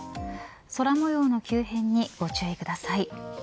空模様の急変にご注意ください。